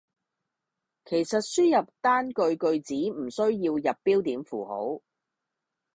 其實輸入單句句子唔需要入標點符號